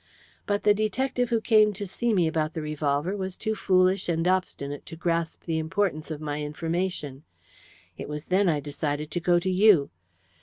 But the detective who came to see me about the revolver was too foolish and obstinate to grasp the importance of my information. It was then I decided to go to you.